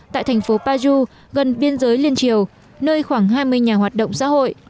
tại thành phố paju gần biên giới liên triều nơi khoảng hai mươi nhà hoạt động xã hội